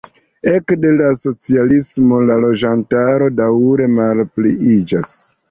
Ekde la socialismo la loĝantaro daŭre malpliiĝas.